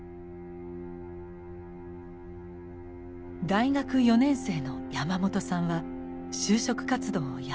大学４年生の山本さんは就職活動をやめました。